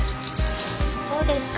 どうですか？